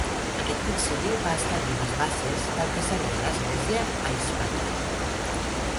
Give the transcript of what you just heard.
Aquest concili va establir les bases del que seria l'Església a Hispània.